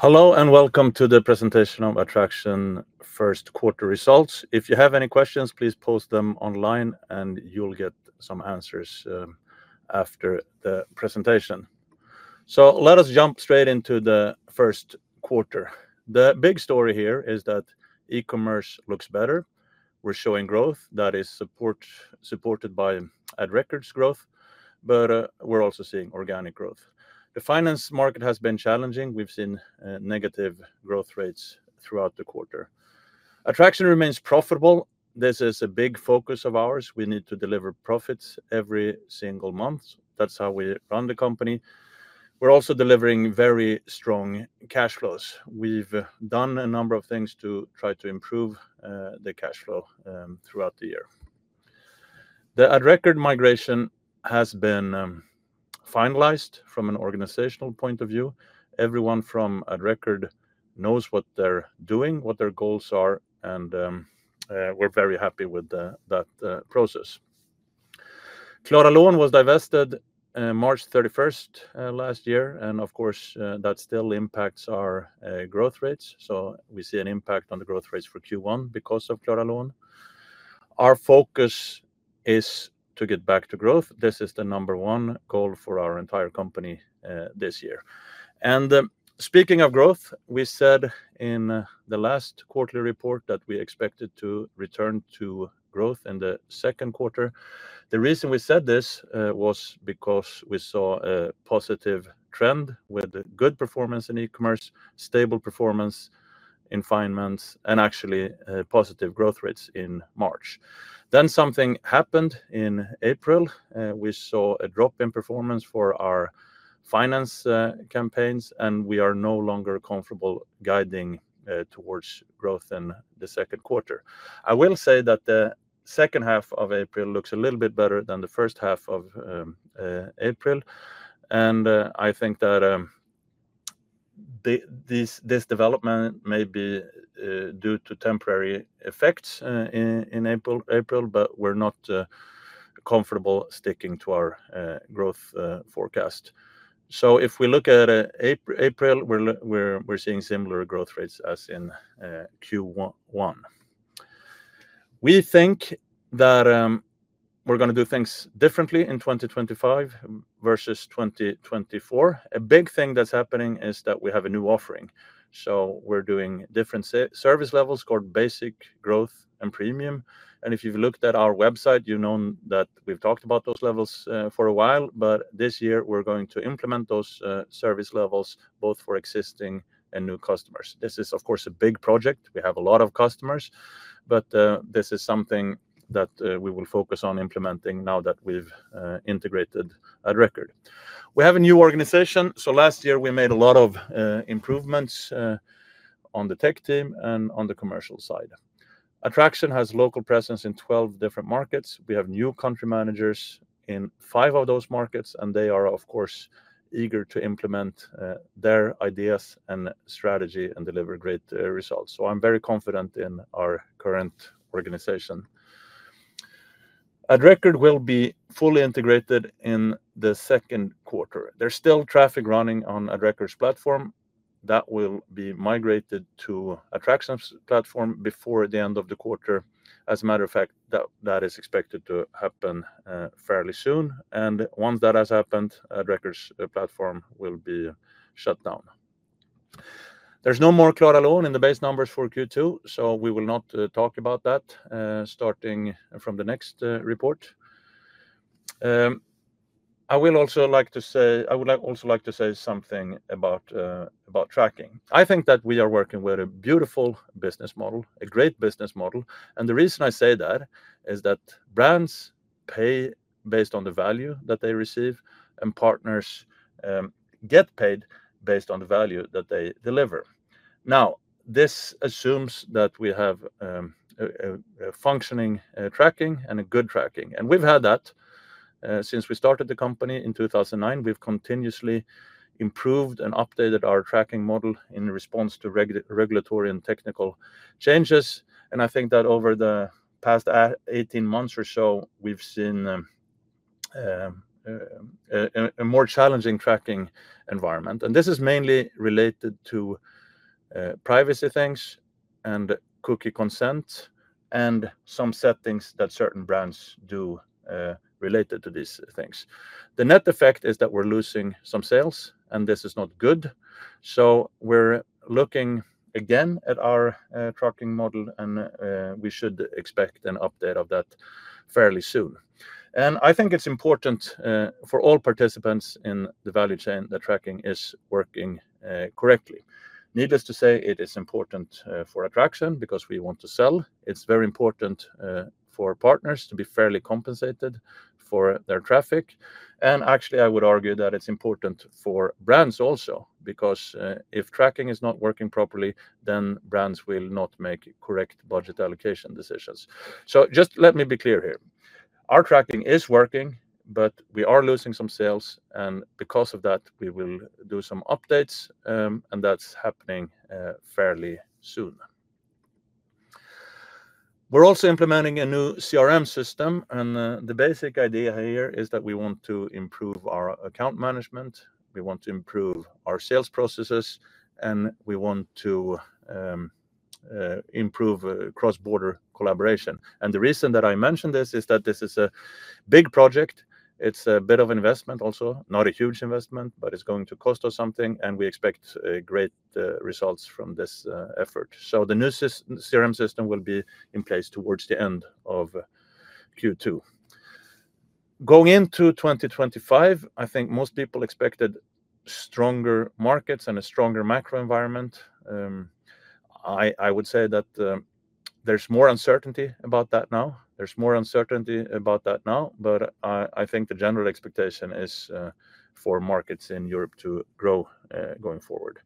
Hello and welcome to the presentation of Adtraction First Quarter Results. If you have any questions, please post them online, and you'll get some answers after the presentation. Let us jump straight into the first quarter. The big story here is that E-commerce looks better. We're showing growth that is supported by Adrecord's growth, but we're also seeing organic growth. The finance market has been challenging. We've seen negative growth rates throughout the quarter. Adtraction remains profitable. This is a big focus of ours. We need to deliver profits every single month. That's how we run the company. We're also delivering very strong cash flows. We've done a number of things to try to improve the cash flow throughout the year. The Adrecord migration has been finalized from an organizational point of view. Everyone from Adrecord knows what they're doing, what their goals are, and we're very happy with that process. Clara Loan was divested March 31 last year, and of course, that still impacts our growth rates. We see an impact on the growth rates for Q1 because of Clara Loan. Our focus is to get back to growth. This is the number one goal for our entire company this year. Speaking of growth, we said in the last quarterly report that we expected to return to growth in the second quarter. The reason we said this was because we saw a positive trend with good performance in E-commerce, stable performance in finance, and actually positive growth rates in March. Something happened in April. We saw a drop in performance for our finance campaigns, and we are no longer comfortable guiding towards growth in the second quarter. I will say that the second half of April looks a little bit better than the first half of April. I think that this development may be due to temporary effects in April, but we're not comfortable sticking to our growth forecast. If we look at April, we're seeing similar growth rates as in Q1. We think that we're going to do things differently in 2025 versus 2024. A big thing that's happening is that we have a new offering. We're doing different service levels called Basic, Growth, and Premium. If you've looked at our website, you know that we've talked about those levels for a while, but this year we're going to implement those service levels both for existing and new customers. This is, of course, a big project. We have a lot of customers, but this is something that we will focus on implementing now that we've integrated Adrecord. We have a new organization. Last year we made a lot of improvements on the tech team and on the commercial side. Adtraction has a local presence in 12 different markets. We have new country managers in five of those markets, and they are, of course, eager to implement their ideas and strategy and deliver great results. I am very confident in our current organization. Adrecord will be fully integrated in the second quarter. There is still traffic running on Adrecord's platform. That will be migrated to Adtraction's platform before the end of the quarter. As a matter of fact, that is expected to happen fairly soon. Once that has happened, Adrecord's platform will be shut down. There's no more Clara Loan in the base numbers for Q2, so we will not talk about that starting from the next report. I would also like to say, I would also like to say something about tracking. I think that we are working with a beautiful business model, a great business model. The reason I say that is that brands pay based on the value that they receive, and partners get paid based on the value that they deliver. Now, this assumes that we have functioning tracking and a good tracking. We've had that since we started the company in 2009. We've continuously improved and updated our tracking model in response to regulatory and technical changes. I think that over the past 18 months or so, we've seen a more challenging tracking environment. This is mainly related to privacy things and cookie consent and some settings that certain brands do related to these things. The net effect is that we're losing some sales, and this is not good. We're looking again at our tracking model, and we should expect an update of that fairly soon. I think it's important for all participants in the value chain that tracking is working correctly. Needless to say, it is important for Adtraction because we want to sell. It's very important for partners to be fairly compensated for their traffic. Actually, I would argue that it's important for brands also because if tracking is not working properly, then brands will not make correct budget allocation decisions. Just let me be clear here. Our tracking is working, but we are losing some sales, and because of that, we will do some updates, and that's happening fairly soon. We're also implementing a new CRM system, and the basic idea here is that we want to improve our account management. We want to improve our sales processes, and we want to improve cross-border collaboration. The reason that I mentioned this is that this is a big project. It's a bit of investment also, not a huge investment, but it's going to cost us something, and we expect great results from this effort. The new CRM system will be in place towards the end of Q2. Going into 2025, I think most people expected stronger markets and a stronger macro environment. I would say that there's more uncertainty about that now. There's more uncertainty about that now, but I think the general expectation is for markets in Europe to grow going forward.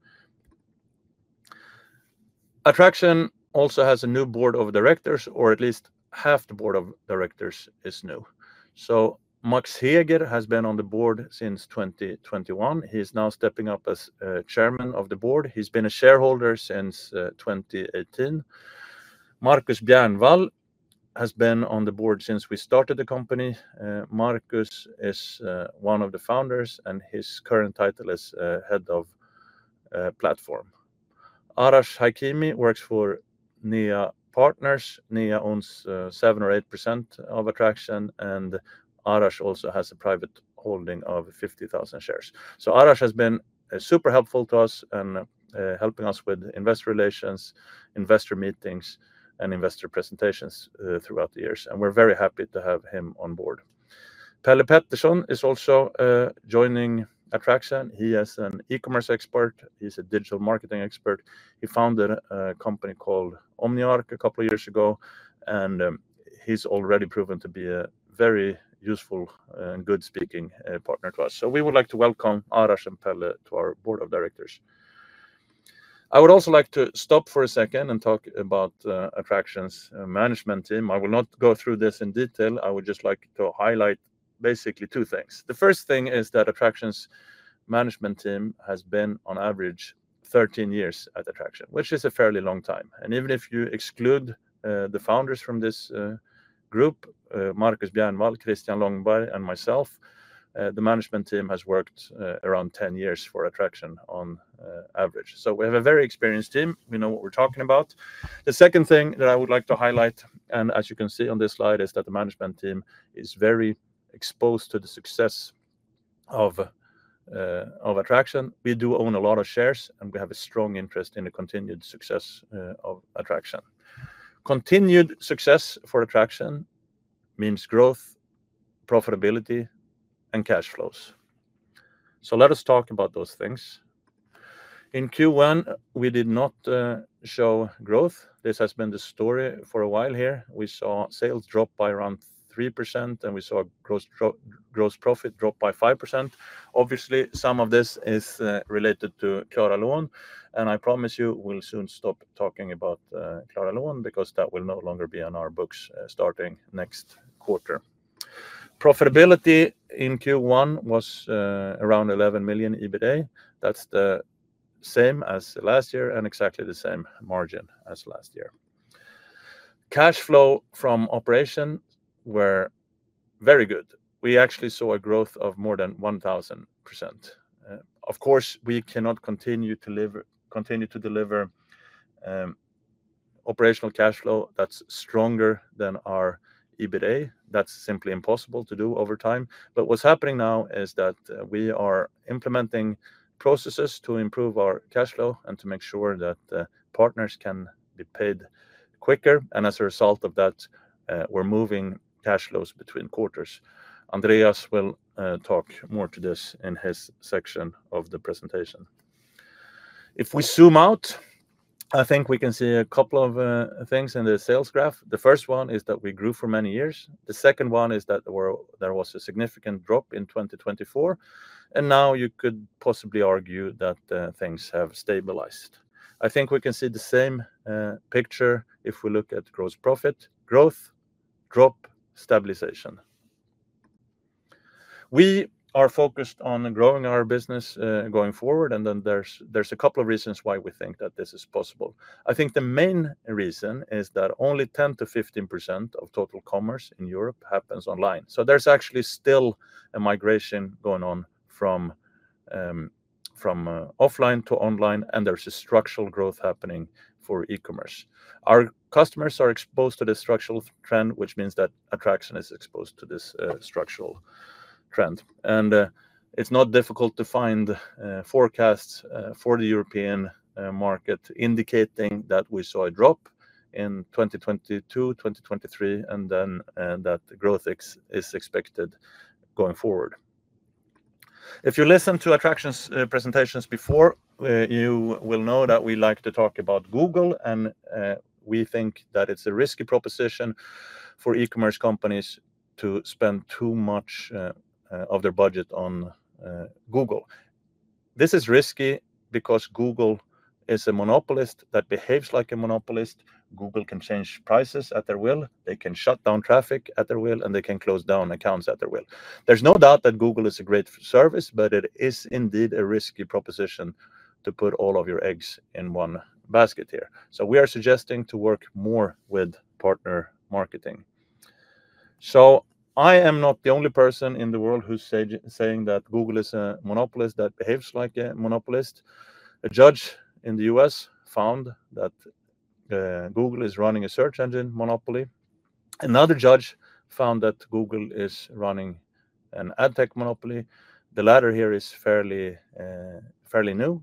Adtraction also has a new board of directors, or at least half the board of directors is new. Max Heger has been on the board since 2021. He's now stepping up as Chairman of the Board. He's been a shareholder since 2018. Markus Bjernvall has been on the board since we started the company. Markus is one of the founders, and his current title is Head of Platform. Arash Hakimi works for NEA Partners. Nia owns 7-8% of Adtraction, and Arash also has a private holding of 50,000 shares. Arash has been super helpful to us and helping us with investor relations, investor meetings, and investor presentations throughout the years. We're very happy to have him on board. Pelle Pettersson is also joining Adtraction. He is an E-commerce expert. He's a digital marketing expert. He founded a company called OmniArch a couple of years ago, and he's already proven to be a very useful and good-speaking partner to us. We would like to welcome Arash and Pelle to our board of directors. I would also like to stop for a second and talk about Adtraction's management team. I will not go through this in detail. I would just like to highlight basically two things. The first thing is that Adtraction's management team has been on average 13 years at Adtraction, which is a fairly long time. Even if you exclude the founders from this group, Markus Bjernvall, Christian Longberg, and myself, the management team has worked around 10 years for Adtraction on average. We have a very experienced team. We know what we're talking about. The second thing that I would like to highlight, and as you can see on this slide, is that the management team is very exposed to the success of Adtraction. We do own a lot of shares, and we have a strong interest in the continued success of Adtraction. Continued success for Adtraction means growth, profitability, and cash flows. Let us talk about those things. In Q1, we did not show growth. This has been the story for a while here. We saw sales drop by around 3%, and we saw gross profit drop by 5%. Obviously, some of this is related to Clara Loan, and I promise you we will soon stop talking about Clara Loan because that will no longer be on our books starting next quarter. Profitability in Q1 was around 11 million EBITDA. That's the same as last year and exactly the same margin as last year. Cash flow from operation were very good. We actually saw a growth of more than 1,000%. Of course, we cannot continue to deliver operational cash flow that's stronger than our EBITDA. That's simply impossible to do over time. What is happening now is that we are implementing processes to improve our cash flow and to make sure that partners can be paid quicker. As a result of that, we're moving cash flows between quarters. Andreas will talk more to this in his section of the presentation. If we zoom out, I think we can see a couple of things in the sales graph. The first one is that we grew for many years. The second one is that there was a significant drop in 2024. Now you could possibly argue that things have stabilized. I think we can see the same picture if we look at gross profit, growth, drop, stabilization. We are focused on growing our business going forward, and then there's a couple of reasons why we think that this is possible. I think the main reason is that only 10% to 15% of total commerce in Europe happens online. So there's actually still a migration going on from offline to online, and there's a structural growth happening for E-commerce. Our customers are exposed to the structural trend, which means that Adtraction is exposed to this structural trend. It's not difficult to find forecasts for the European market indicating that we saw a drop in 2022 to 2023, and then that growth is expected going forward. If you listen to Adtraction's presentations before, you will know that we like to talk about Google, and we think that it's a risky proposition for E-commerce companies to spend too much of their budget on Google. This is risky because Google is a monopolist that behaves like a monopolist. Google can change prices at their will. They can shut down traffic at their will, and they can close down accounts at their will. There's no doubt that Google is a great service, but it is indeed a risky proposition to put all of your eggs in one basket here. We are suggesting to work more with partner marketing. I am not the only person in the world who's saying that Google is a monopolist that behaves like a monopolist. A judge in the U.S. found that Google is running a search engine monopoly. Another judge found that Google is running an ad tech monopoly. The latter here is fairly new.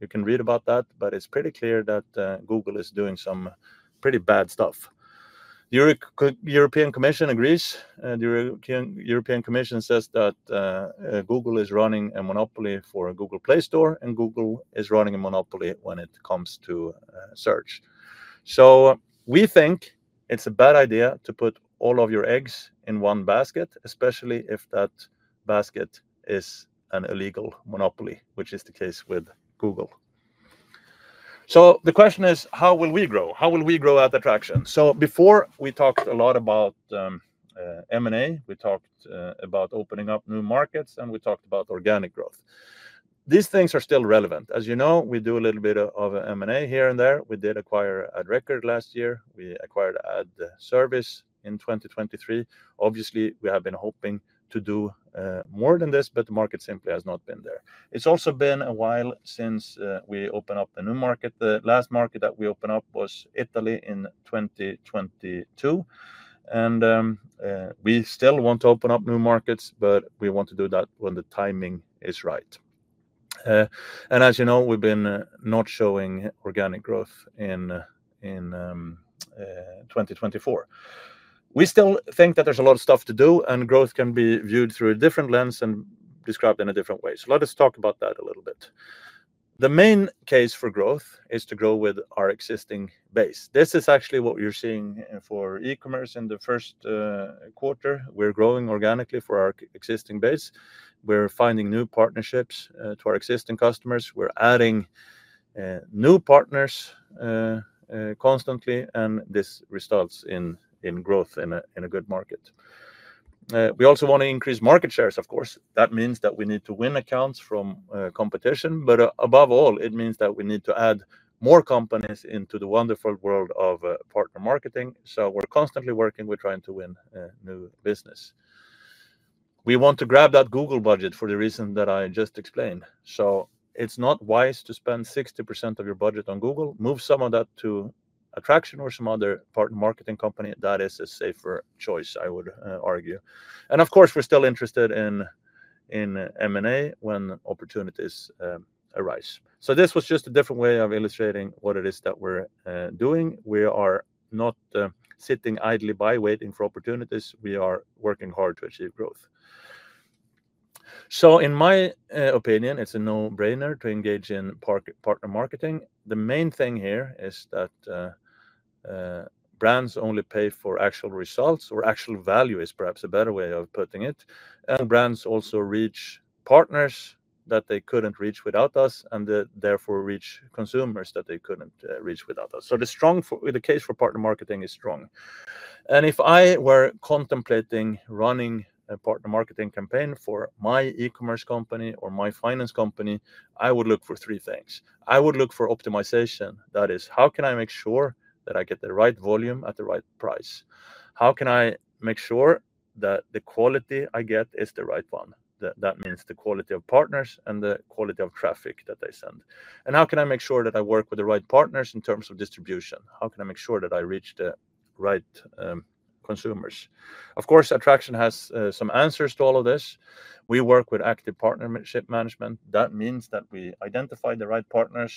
You can read about that, but it's pretty clear that Google is doing some pretty bad stuff. The European Commission agrees. The European Commission says that Google is running a monopoly for a Google Play Store, and Google is running a monopoly when it comes to search. We think it's a bad idea to put all of your eggs in one basket, especially if that basket is an illegal monopoly, which is the case with Google. The question is, how will we grow? How will we grow at Adtraction? Before, we talked a lot about M&A, we talked about opening up new markets, and we talked about organic growth. These things are still relevant. As you know, we do a little bit of M&A here and there. We did acquire AdRecord last year. We acquired AdService in 2023. Obviously, we have been hoping to do more than this, but the market simply has not been there. It has also been a while since we opened up the new market. The last market that we opened up was Italy in 2022. We still want to open up new markets, but we want to do that when the timing is right. As you know, we have been not showing organic growth in 2024. We still think that there is a lot of stuff to do, and growth can be viewed through a different lens and described in a different way. Let us talk about that a little bit. The main case for growth is to grow with our existing base. This is actually what you are seeing for E-commerce in the first quarter. We're growing organically for our existing base. We're finding new partnerships to our existing customers. We're adding new partners constantly, and this results in growth in a good market. We also want to increase market shares, of course. That means that we need to win accounts from competition, but above all, it means that we need to add more companies into the wonderful world of partner marketing. We're constantly working. We're trying to win new business. We want to grab that Google budget for the reason that I just explained. It is not wise to spend 60% of your budget on Google. Move some of that to Adtraction or some other partner marketing company. That is a safer choice, I would argue. Of course, we're still interested in M&A when opportunities arise. This was just a different way of illustrating what it is that we're doing. We are not sitting idly by waiting for opportunities. We are working hard to achieve growth. In my opinion, it's a no-brainer to engage in partner marketing. The main thing here is that brands only pay for actual results or actual value is perhaps a better way of putting it. Brands also reach partners that they couldn't reach without us and therefore reach consumers that they couldn't reach without us. The case for partner marketing is strong. If I were contemplating running a partner marketing campaign for my E-commerce company or my finance company, I would look for three things. I would look for optimization. That is, how can I make sure that I get the right volume at the right price? How can I make sure that the quality I get is the right one? That means the quality of partners and the quality of traffic that they send. How can I make sure that I work with the right partners in terms of distribution? How can I make sure that I reach the right consumers? Of course, Adtraction has some answers to all of this. We work with active partnership management. That means that we identify the right partners,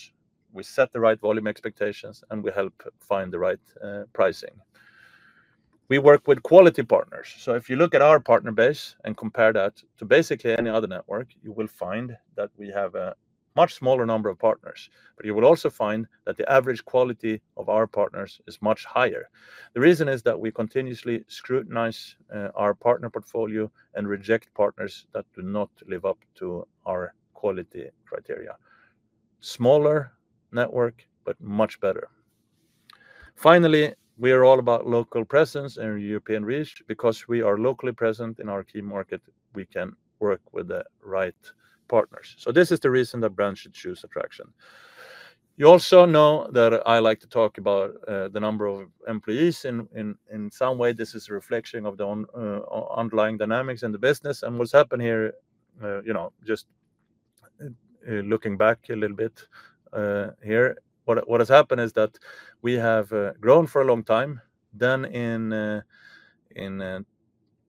we set the right volume expectations, and we help find the right pricing. We work with quality partners. If you look at our partner base and compare that to basically any other network, you will find that we have a much smaller number of partners. You will also find that the average quality of our partners is much higher. The reason is that we continuously scrutinize our partner portfolio and reject partners that do not live up to our quality criteria. Smaller network, but much better. Finally, we are all about local presence and European reach. Because we are locally present in our key market, we can work with the right partners. This is the reason that brands should choose Adtraction. You also know that I like to talk about the number of employees. In some way, this is a reflection of the underlying dynamics in the business. What's happened here, just looking back a little bit here, what has happened is that we have grown for a long time. In Q1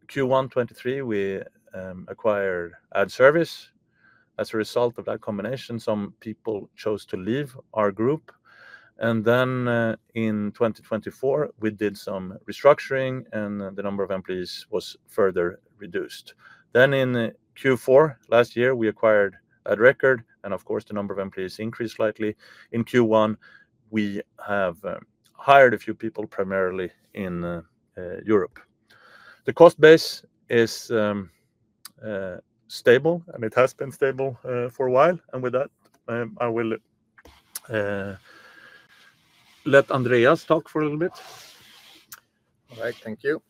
2023, we acquired Adservice. As a result of that combination, some people chose to leave our group. In 2024, we did some restructuring, and the number of employees was further reduced. In Q4 last year, we acquired AdRecord. Of course, the number of employees increased slightly. In Q1, we have hired a few people primarily in Europe. The cost base is stable, and it has been stable for a while. With that, I will let Andreas talk for a little bit. All right, thank you.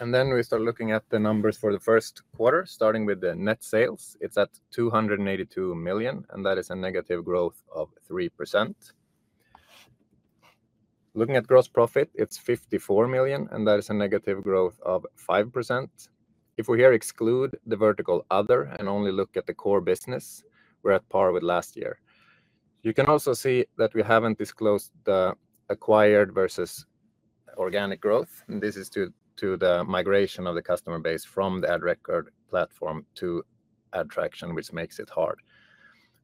We start looking at the numbers for the first quarter, starting with the net sales. It is at 282 million, and that is a negative growth of 3%. Looking at gross profit, it is 54 million, and that is a negative growth of 5%. If we here exclude the vertical other and only look at the core business, we are at par with last year. You can also see that we have not disclosed the acquired versus organic growth. This is due to the migration of the customer base from the AdRecord platform to Adtraction, which makes it hard.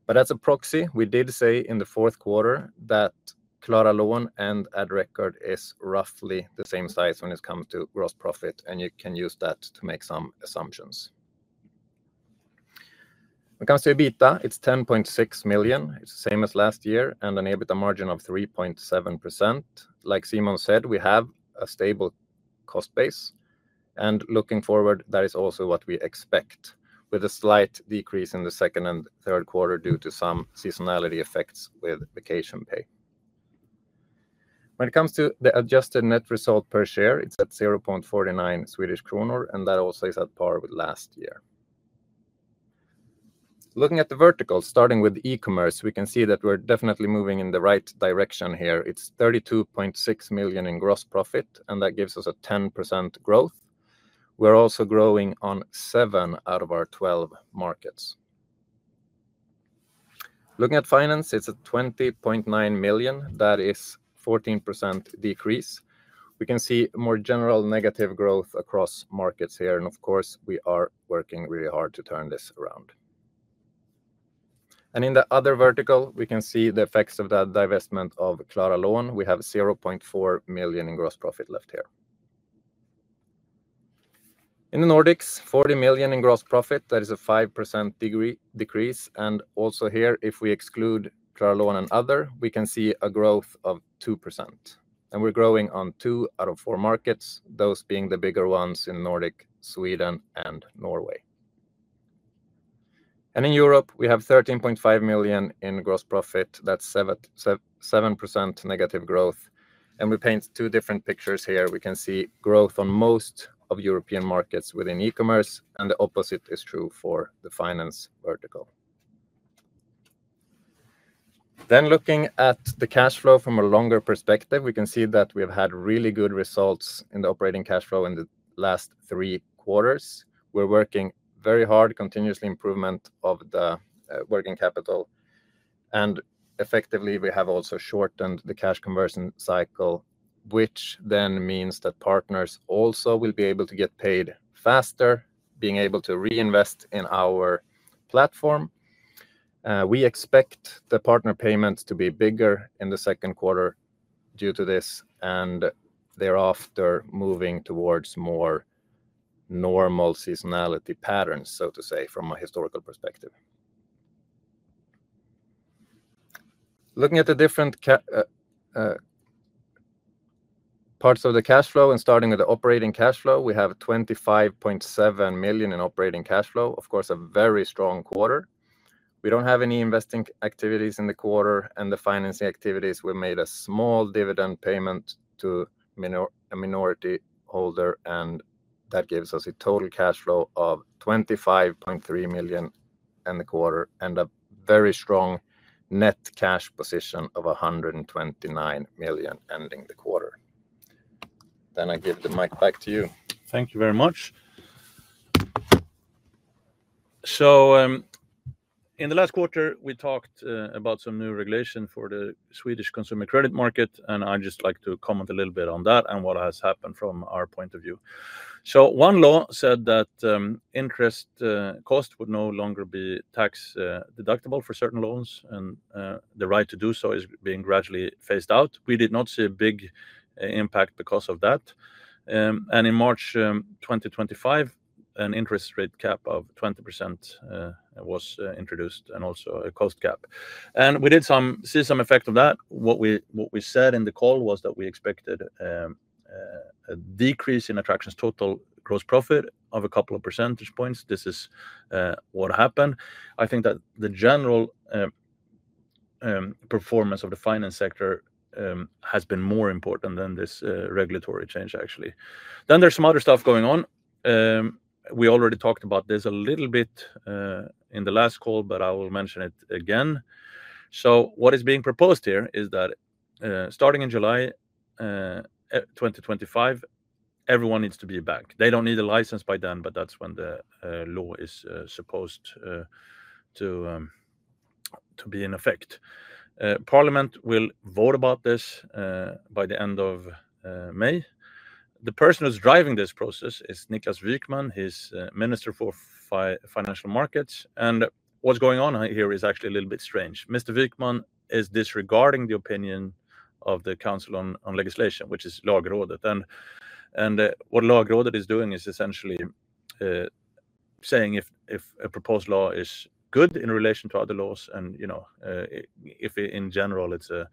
As a proxy, we did say in the fourth quarter that Clara Loan and Adrecord is roughly the same size when it comes to gross profit, and you can use that to make some assumptions. When it comes to EBITDA, it's 10.6 million. It's the same as last year and an EBITDA margin of 3.7%. Like Simon said, we have a stable cost base. Looking forward, that is also what we expect with a slight decrease in the second and third quarter due to some seasonality effects with vacation pay. When it comes to the adjusted net result per share, it's at 0.49 Swedish kronor, and that also is at par with last year. Looking at the vertical, starting with E-commerce, we can see that we're definitely moving in the right direction here. It's 32.6 million in gross profit, and that gives us a 10% growth. We're also growing on seven out of our 12 markets. Looking at finance, it's at 20.9 million. That is a 14% decrease. We can see more general negative growth across markets here. Of course, we are working really hard to turn this around. In the other vertical, we can see the effects of that divestment of Clara Loan. We have 0.4 million in gross profit left here. In the Nordics, 40 million in gross profit. That is a 5% decrease. Also here, if we exclude Clara Loan and other, we can see a growth of 2%. We're growing on two out of four markets, those being the bigger ones in Nordic, Sweden, and Norway. In Europe, we have 13.5 million in gross profit. That's 7% negative growth. We paint two different pictures here. We can see growth on most of European markets within E-commerce, and the opposite is true for the finance vertical. Looking at the cash flow from a longer perspective, we can see that we have had really good results in the operating cash flow in the last three quarters. We are working very hard, continuously improving the working capital. Effectively, we have also shortened the cash conversion cycle, which means that partners also will be able to get paid faster, being able to reinvest in our platform. We expect the partner payments to be bigger in the second quarter due to this and thereafter moving towards more normal seasonality patterns, so to say, from a historical perspective. Looking at the different parts of the cash flow and starting with the operating cash flow, we have 25.7 million in operating cash flow. Of course, a very strong quarter. We do not have any investing activities in the quarter and the financing activities. We made a small dividend payment to a minority holder, and that gives us a total cash flow of 25.3 million in the quarter and a very strong net cash position of 129 million ending the quarter. I give the mic back to you. Thank you very much. In the last quarter, we talked about some new regulation for the Swedish consumer credit market, and I would just like to comment a little bit on that and what has happened from our point of view. One law said that interest cost would no longer be tax deductible for certain loans, and the right to do so is being gradually phased out. We did not see a big impact because of that. In March 2025, an interest rate cap of 20% was introduced and also a cost cap. We did see some effect of that. What we said in the call was that we expected a decrease in Adtraction's total gross profit of a couple of percentage points. This is what happened. I think that the general performance of the finance sector has been more important than this regulatory change, actually. There is some other stuff going on. We already talked about this a little bit in the last call, but I will mention it again. What is being proposed here is that starting in July 2025, everyone needs to be a bank. They do not need a license by then, but that is when the law is supposed to be in effect. Parliament will vote about this by the end of May. The person who's driving this process is Niklas Wykman, he's Minister for Financial Markets. What's going on here is actually a little bit strange. Mr. Wykman is disregarding the opinion of the Council on Legislation, which is Lagrådet. What Lagrådet is doing is essentially saying if a proposed law is good in relation to other laws and if in general it's a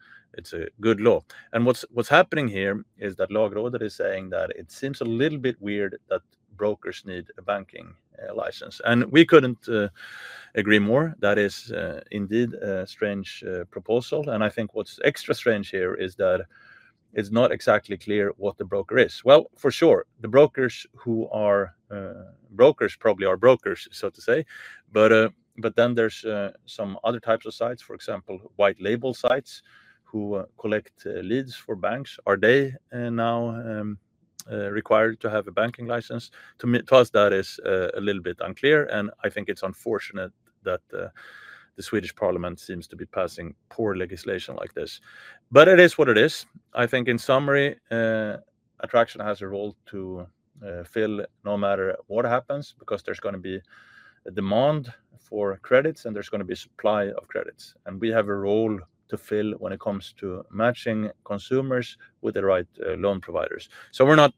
good law. What's happening here is that Lagrådet is saying that it seems a little bit weird that brokers need a banking license. We couldn't agree more. That is indeed a strange proposal. I think what's extra strange here is that it's not exactly clear what the broker is. For sure, the brokers who are brokers probably are brokers, so to say. There are some other types of sites, for example, white label sites who collect leads for banks. Are they now required to have a banking license? To us, that is a little bit unclear. I think it's unfortunate that the Swedish Parliament seems to be passing poor legislation like this. It is what it is. I think in summary, Adtraction has a role to fill no matter what happens because there's going to be a demand for credits and there's going to be a supply of credits. We have a role to fill when it comes to matching consumers with the right loan providers. We're not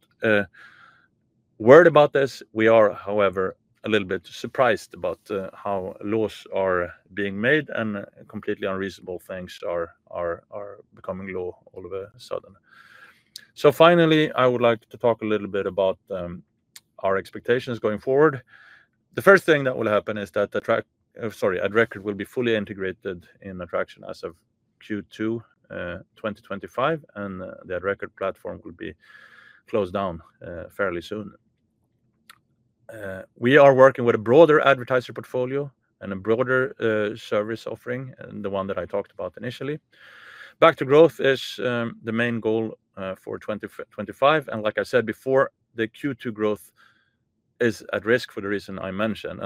worried about this. We are, however, a little bit surprised about how laws are being made and completely unreasonable things are becoming law all of a sudden. Finally, I would like to talk a little bit about our expectations going forward. The first thing that will happen is that Adrecord will be fully integrated in Adtraction as of Q2 2025, and the AdRecord platform will be closed down fairly soon. We are working with a broader advertiser portfolio and a broader service offering, the one that I talked about initially. Back to growth is the main goal for 2025. Like I said before, the Q2 growth is at risk for the reason I mentioned.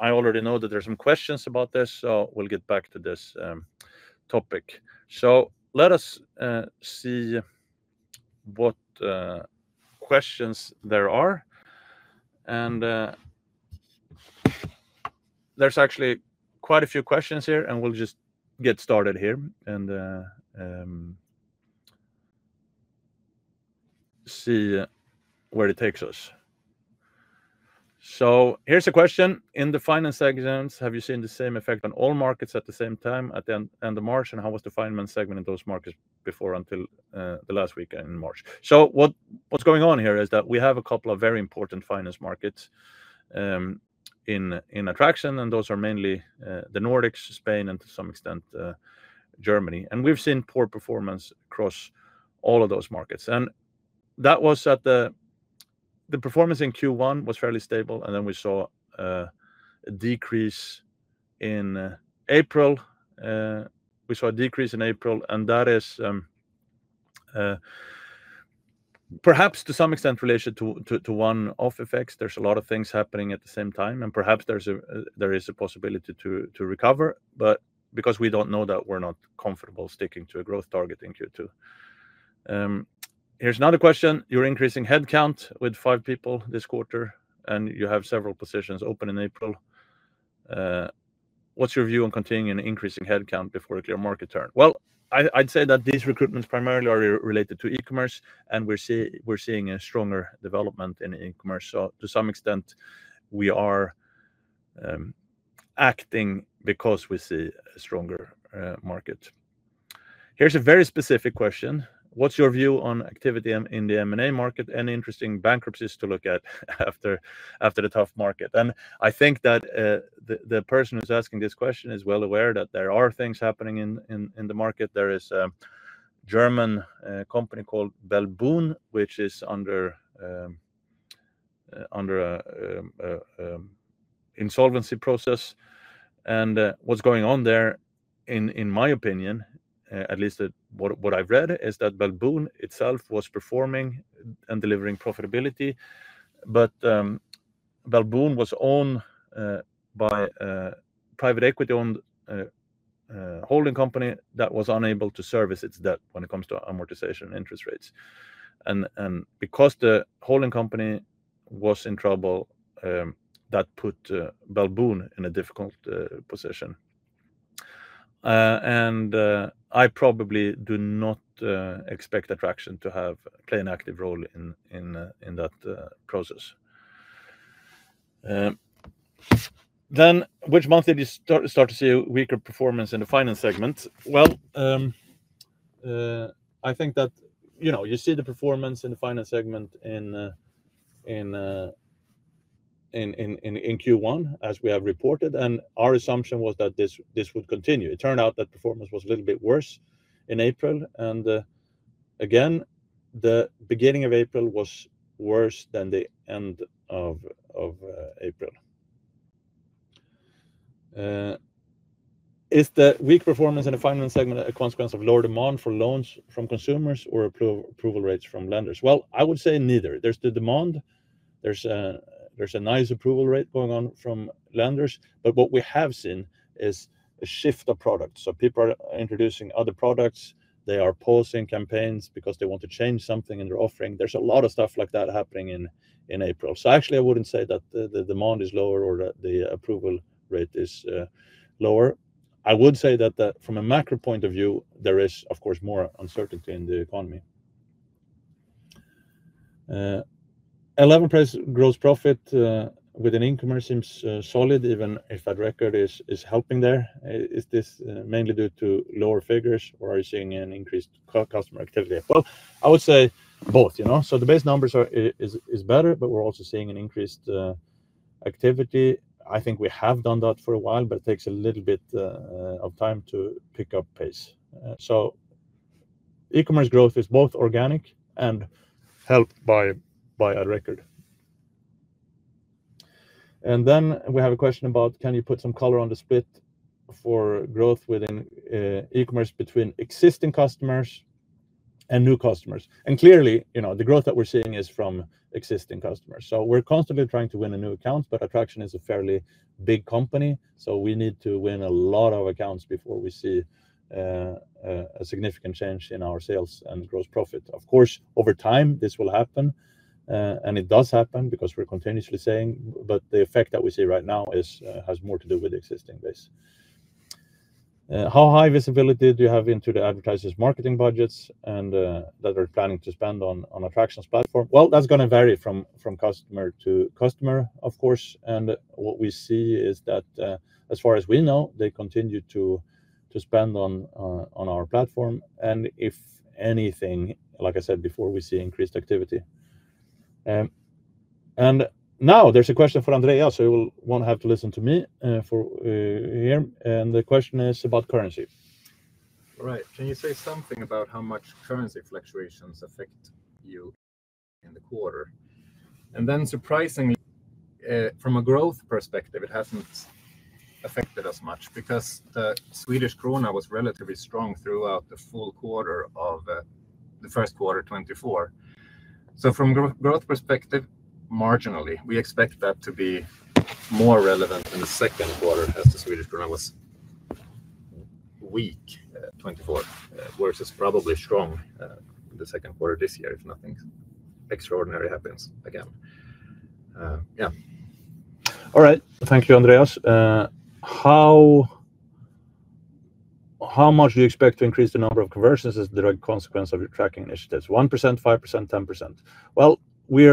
I already know that there are some questions about this, so we'll get back to this topic. Let us see what questions there are. There's actually quite a few questions here, and we'll just get started here and see where it takes us. Here's a question. In the finance segments, have you seen the same effect on all markets at the same time at the end of March? How was the finance segment in those markets before until the last weekend in March? What is going on here is that we have a couple of very important finance markets in Adtraction, and those are mainly the Nordics, Spain, and to some extent Germany. We have seen poor performance across all of those markets. The performance in Q1 was fairly stable. Then we saw a decrease in April. We saw a decrease in April, and that is perhaps to some extent related to one-off effects. There are a lot of things happening at the same time, and perhaps there is a possibility to recover, but because we do not know that, we are not comfortable sticking to a growth target in Q2. Here is another question. You are increasing headcount with five people this quarter, and you have several positions open in April. What's your view on continuing an increasing headcount before a clear market turn? I'd say that these recruitments primarily are related to E-commerce, and we're seeing a stronger development in E-commerce. To some extent, we are acting because we see a stronger market. Here's a very specific question. What's your view on activity in the M&A market? Any interesting bankruptcies to look at after the tough market? I think that the person who's asking this question is well aware that there are things happening in the market. There is a German company called Belboon, which is under an insolvency process. What's going on there, in my opinion, at least what I've read, is that Belboon itself was performing and delivering profitability. Belboon was owned by a private equity-owned holding company that was unable to service its debt when it comes to amortization and interest rates. Because the holding company was in trouble, that put Belboon in a difficult position. I probably do not expect Adtraction to have a plain active role in that process. Which month did you start to see a weaker performance in the finance segment? I think that you see the performance in the finance segment in Q1, as we have reported, and our assumption was that this would continue. It turned out that performance was a little bit worse in April. The beginning of April was worse than the end of April. Is the weak performance in the finance segment a consequence of lower demand for loans from consumers or approval rates from lenders? I would say neither. There is the demand. There is a nice approval rate going on from lenders. What we have seen is a shift of products. People are introducing other products. They are pausing campaigns because they want to change something in their offering. There is a lot of stuff like that happening in April. Actually, I would not say that the demand is lower or that the approval rate is lower. I would say that from a macro point of view, there is, of course, more uncertainty in the economy. Eleven place gross profit within E-commerce seems solid, even if AdRecord is helping there. Is this mainly due to lower figures, or are you seeing increased customer activity? I would say both. The base numbers are better, but we are also seeing increased activity. I think we have done that for a while, but it takes a little bit of time to pick up pace. E-commerce growth is both organic and helped by AdRecord. We have a question about, can you put some color on the split for growth within E-commerce between existing customers and new customers? Clearly, the growth that we're seeing is from existing customers. We are constantly trying to win new accounts, but Adtraction is a fairly big company. We need to win a lot of accounts before we see a significant change in our sales and gross profit. Of course, over time, this will happen. It does happen because we're continuously saying, but the effect that we see right now has more to do with the existing base. How high visibility do you have into the advertisers' marketing budgets that are planning to spend on Adtraction's platform? That is going to vary from customer to customer, of course. What we see is that, as far as we know, they continue to spend on our platform. If anything, like I said before, we see increased activity. Now there's a question for Andreas, so you won't have to listen to me here. The question is about currency. Right. Can you say something about how much currency fluctuations affect you in the quarter? Surprisingly, from a growth perspective, it hasn't affected us much because the Swedish krona was relatively strong throughout the full quarter of the first quarter, 2024. From a growth perspective, marginally, we expect that to be more relevant in the second quarter as the Swedish krona was weak. 2024 versus probably strong in the second quarter this year if nothing extraordinary happens again. Yeah. All right. Thank you, Andreas. How much do you expect to increase the number of conversions as a direct consequence of your tracking initiatives? 1%, 5%, 10%? We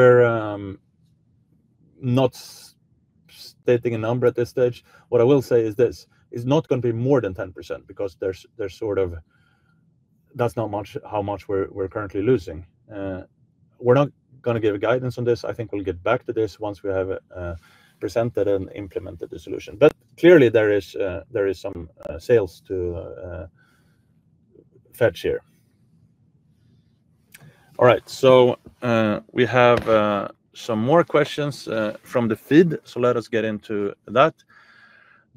are not stating a number at this stage. What I will say is this: it is not going to be more than 10% because that is not how much we are currently losing. We are not going to give guidance on this. I think we will get back to this once we have presented and implemented the solution. Clearly, there is some sales to fetch here. All right. We have some more questions from the feed. Let us get into that.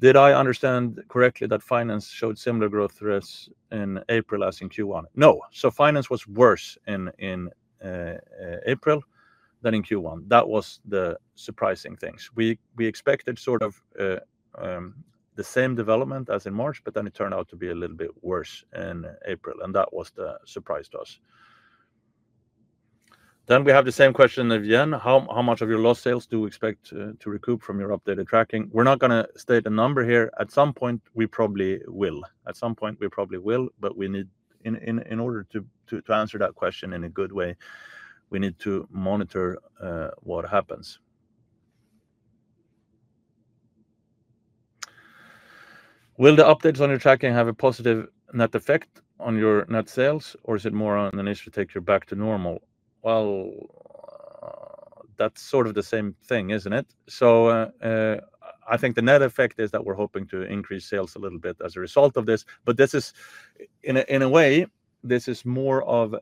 Did I understand correctly that finance showed similar growth risk in April as in Q1? No. Finance was worse in April than in Q1. That was the surprising thing. We expected sort of the same development as in March, but it turned out to be a little bit worse in April. That was the surprise to us. We have the same question again. How much of your lost sales do you expect to recoup from your updated tracking? We're not going to state a number here. At some point, we probably will. At some point, we probably will, but in order to answer that question in a good way, we need to monitor what happens. Will the updates on your tracking have a positive net effect on your net sales, or is it more on an initial take you back to normal? That's sort of the same thing, isn't it? I think the net effect is that we're hoping to increase sales a little bit as a result of this. In a way, this is more of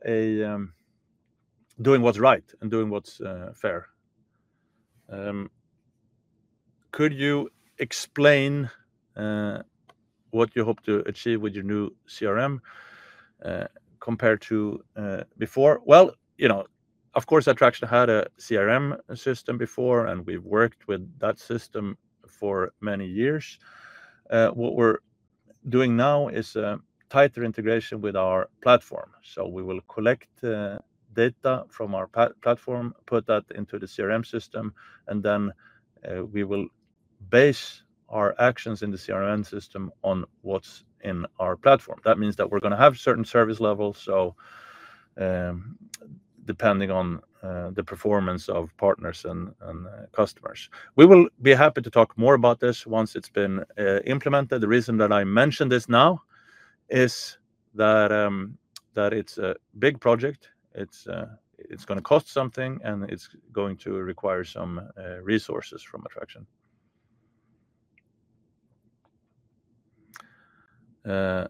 doing what's right and doing what's fair. Could you explain what you hope to achieve with your new CRM compared to before? Of course, Adtraction had a CRM system before, and we've worked with that system for many years. What we're doing now is a tighter integration with our platform. We will collect data from our platform, put that into the CRM system, and then we will base our actions in the CRM system on what's in our platform. That means that we're going to have certain service levels, depending on the performance of partners and customers. We will be happy to talk more about this once it's been implemented. The reason that I mention this now is that it's a big project. It's going to cost something, and it's going to require some resources from Adtraction.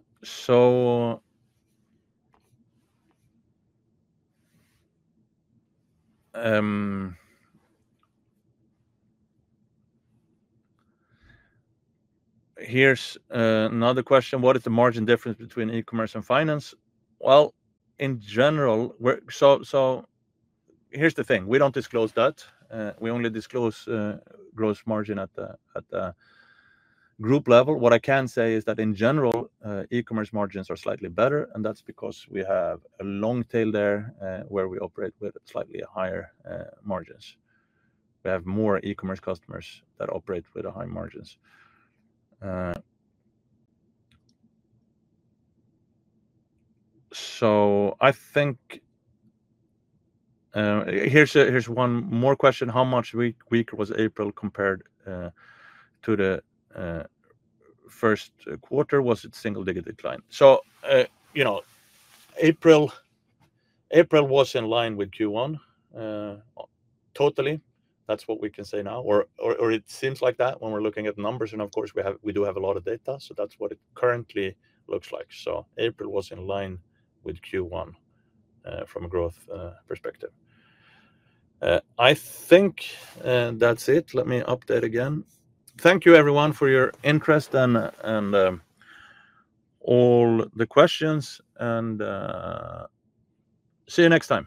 Here's another question. What is the margin difference between E-commerce and finance? In general, so here's the thing. We don't disclose that. We only disclose gross margin at the group level. What I can say is that in general, E-commerce margins are slightly better, and that's because we have a long tail there where we operate with slightly higher margins. We have more E-commerce customers that operate with high margins. I think here's one more question. How much weaker was April compared to the first quarter? Was it single-digit decline? April was in line with Q1 totally. That's what we can say now, or it seems like that when we're looking at numbers. Of course, we do have a lot of data, so that's what it currently looks like. April was in line with Q1 from a growth perspective. I think that's it. Let me update again. Thank you, everyone, for your interest and all the questions. See you next time.